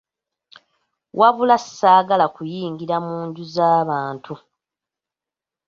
wabula saagala kuyingira mu nju za bantu.